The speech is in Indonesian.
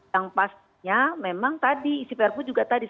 yang pastinya memang tadi isi perpu juga tadi menerbit ya